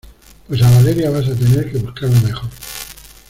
pues a Valeria vas a tener que buscarla mejor